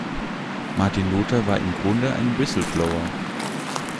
Martin Luther war im Grunde ein Whistleblower.